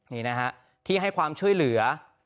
นี่นะฮะที่ให้ความช่วยเหลือ